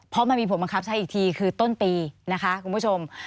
เพราะมันมีผลบังคับใช้อีกทีคือต้นปีนะคะคุณผู้ชม